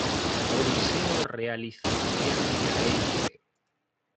Odiseo realizó un viaje a Élide.